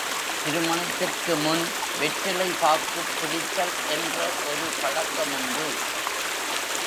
திருமணத்திற்குமுன் வெற்றிலை பாக்குப் பிடித்தல் என்ற ஒரு பழக்கமுண்டு.